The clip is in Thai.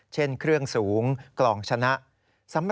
เช่นเครื่องสูงกล่องชนะ